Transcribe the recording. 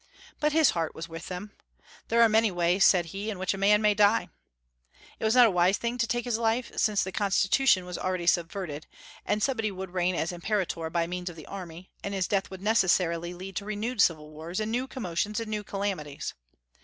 But his heart was with them. "There are many ways," said he, "in which a man may die." It was not a wise thing to take his life; since the Constitution was already subverted, and somebody would reign as imperator by means of the army, and his death would necessarily lead to renewed civil wars and new commotions and new calamities.